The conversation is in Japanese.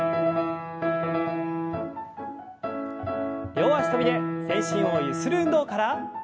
両脚跳びで全身をゆする運動から。